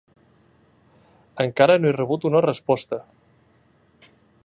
Encara no he rebut una resposta.